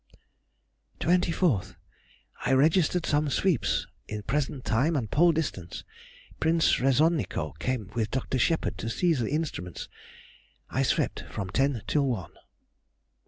24th.—I registered some sweeps in present time and Pole distance. Prince Resonico came with Dr. Shepherd to see the instruments. I swept from ten till one.